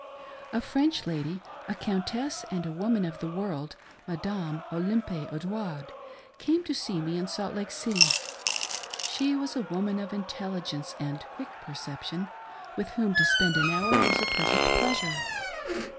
A French Lady — a Countess and a woman of the world — Madame Olympe Odouard — came to see me in Salt Lake City. She was a woman of intelligence and quick perception, with' whom to spend an hour was a perfect pleasure.